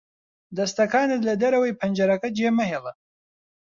دەستەکانت لە دەرەوەی پەنجەرەکە جێمەهێڵە.